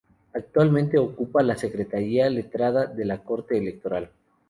Actualmente ocupa la Secretaría Letrada de la Corte Electoral.